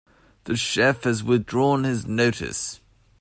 The chef has withdrawn his notice.